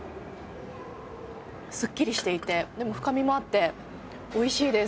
すっきりしていてでも深みもあっておいしいです。